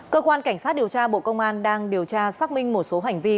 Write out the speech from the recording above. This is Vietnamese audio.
cơ quan cảnh sát điều tra bộ công an đang điều tra xác minh một số hành vi